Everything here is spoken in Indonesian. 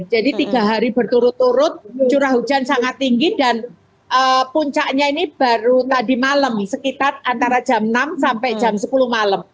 jadi tiga hari berturut turut curah hujan sangat tinggi dan puncaknya ini baru tadi malam sekitar antara jam enam sampai jam sepuluh malam